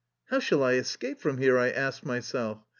How shall I escape from here? I asked myself.